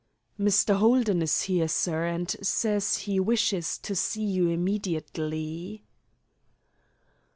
"Mr. Holden is here, sir, and says he wishes to see you immediately."